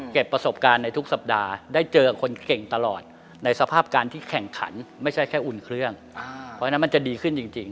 ประสบการณ์ในทุกสัปดาห์ได้เจอคนเก่งตลอดในสภาพการที่แข่งขันไม่ใช่แค่อุ่นเครื่องเพราะฉะนั้นมันจะดีขึ้นจริง